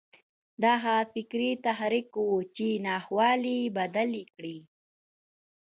دا هغه فکري تحرک و چې ناخوالې یې بدلې کړې